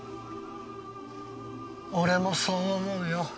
俺もそう思うよ。